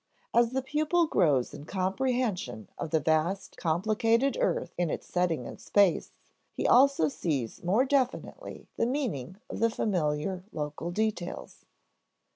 As the pupil grows in comprehension of the vast complicated earth in its setting in space, he also sees more definitely the meaning of the familiar local details.